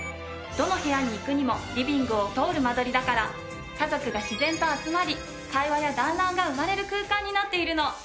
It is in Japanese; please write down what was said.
どの部屋に行くにもリビングを通る間取りだから家族が自然と集まり会話や団らんが生まれる空間になっているの！